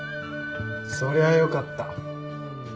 そりゃよかった。